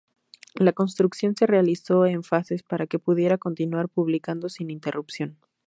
La construcción se realizó en fases para que pudiera continuar publicando sin interrupción.